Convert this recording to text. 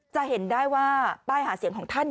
จะเห็นได้ว่าป้ายหาเสียงของท่าน